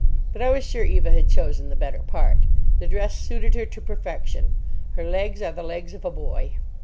But I was sure Eva had chosen the better part. The dress suited her to perfection. Her legs are the legs of a boy.